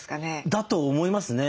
だと思いますね。